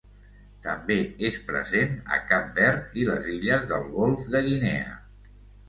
També és present a Cap Verd i les illes del Golf de Guinea.